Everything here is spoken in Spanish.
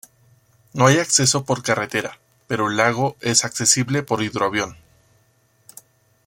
No hay acceso por carretera, pero el lago es accesible por hidroavión.